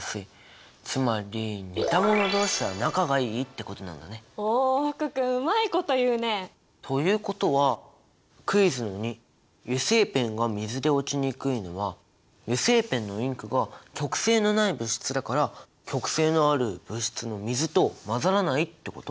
つまりおお福君うまいこと言うね。ということはクイズの②油性ペンが水で落ちにくいのは油性ペンのインクが極性のない物質だから極性のある物質の水と混ざらないってこと？